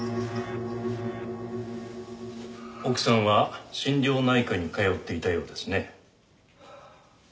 奥さんは心療内科に通っていたようですね。